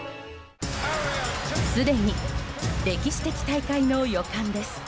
すでに歴史的大会の予感です。